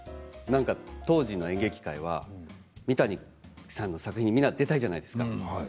当時の演劇界は三谷さんの作品にみんな出たいじゃないですか。